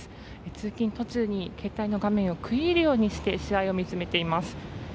通勤途中に携帯の画面を食い入るようにして試合を見つめています。